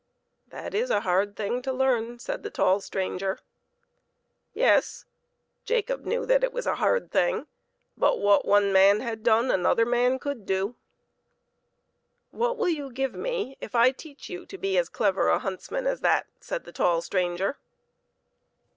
" That is a hard thing to learn," said the tall stranger. Yes; Jacob knew that it was a hard thing; but what one man had done another man could do. " What will you give me if I teach you to be as clever a huntsman as that ?" said the tall stranger.